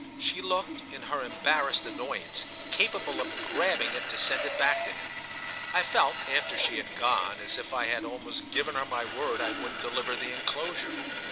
She looked, in her embarrassed annoyance, capable of grabbing it to send it back to him. I felt, after she had gone, as if I had almost given her my word I wouldn't deliver the enclosure.